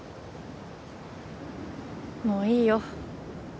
もういいよ。